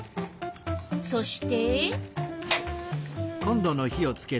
そして。